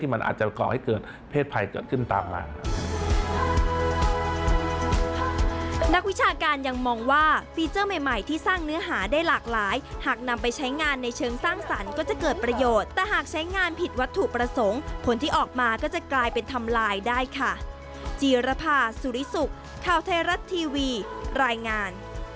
มันอาจจะก่อให้เกิดเพศภัยเกิดขึ้นตามมาครับ